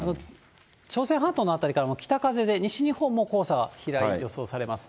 朝鮮半島の辺りから北風で西日本も黄砂は飛来、予想されます。